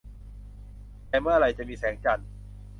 แต่เมื่อไหร่จะมีแสงจันทร์